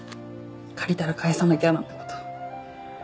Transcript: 借りたら返さなきゃなんて事。